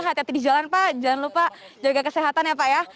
hati hati di jalan pak jangan lupa jaga kesehatan ya pak ya